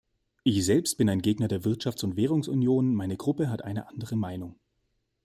Ich selbst bin ein Gegner der Wirtschafts- und Währungsunion meine Gruppe hat eine andere Meinung.